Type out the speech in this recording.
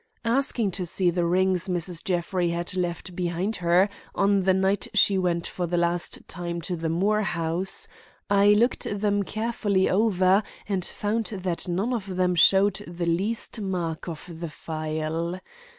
Asking to see the rings Mrs. Jeffrey had left behind her on the night she went for the last time to the Moore house, I looked them carefully over, and found that none of them showed the least mark of the file.